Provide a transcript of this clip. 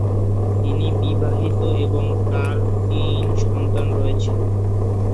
তিনি বিবাহিত এবং তাঁর তিন সন্তান রয়েছে।